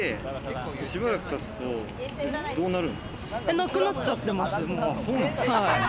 なくなっちゃってます。